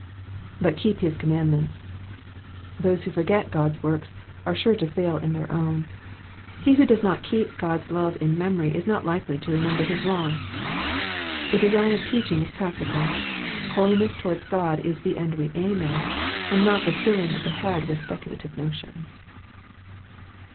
^''But keep his commandments,'*'* Those who forget God's works are sure to fail in their own. He who does not keep God's love in memory is not likely to remember his law. The design of teaching is prac tical ; holiness towards God is the end we aim at, and not the filling of the head with speculative notions.